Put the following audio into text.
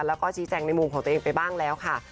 แล้วก็ชี้แจงในมุมของตัวเองไปบ้างแล้วค่ะ